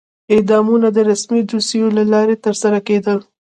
اعدامونه د رسمي دوسیو له لارې ترسره کېدل.